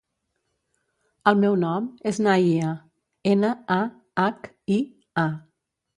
El meu nom és Nahia: ena, a, hac, i, a.